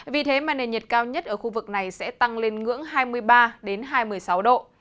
vì thế mà nền nhiệt cao nhất ở khu vực này sẽ tăng lên ngưỡng hai mươi ba hai mươi sáu độ